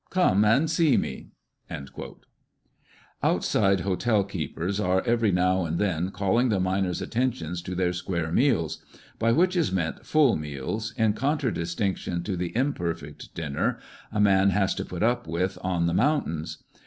" Come and see me !" Roadside hotel keepers are every now and then calling the miners' attention to their " square meals :" by which is meant full meals, in contradistinction to the imperfect dinner a man has to put up with on the mountains.